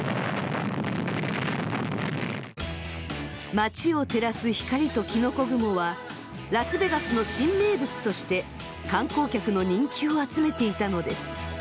街を照らす光ときのこ雲はラスベガスの新名物として観光客の人気を集めていたのです。